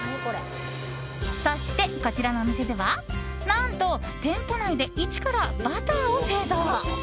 そして、こちらのお店では何と店舗内で一からバターを製造。